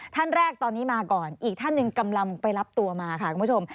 ท่านแรกตอนนี้มาก่อนอีกท่านหนึ่งกำลังไปรับตัวมาค่ะคุณผู้ชม